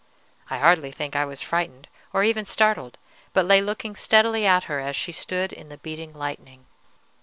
I hardly think I was frightened, or even startled, but lay looking steadily at her as she stood in the beating lightning.